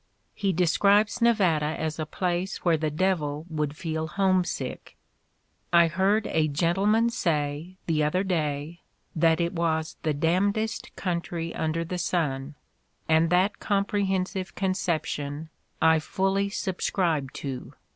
He describes Nevada as a place where the devil would feel home sick: "I heard a gentleman say, the other day, that it was the 'd dest country under the sun' — and that comprehensive conception I fully subscribe to.